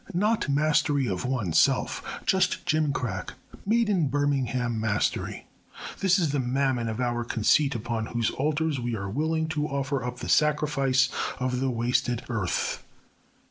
Not mastery of oneself just gimcrack, made in Birmingham mastery. This is the Mammon of our conceit upon whose altars we are willing to offer up the sacrifice of the wasted earth.